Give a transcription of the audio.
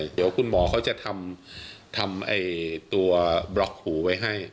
เดี๋ยวคุณหมอเขาจะทำตัวบล็อกหูไว้ให้